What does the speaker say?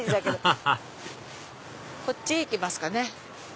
ハハハハこっち行きますかね。